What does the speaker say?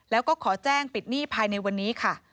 แล้วก็ขอแจ้งปิดหนี้ภายในวันนี้ค่ะ